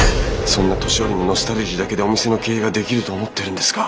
そんな年寄りのノスタルジーだけでお店の経営ができると思ってるんですか？